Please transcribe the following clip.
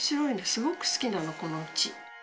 すごく好きなのこのうち。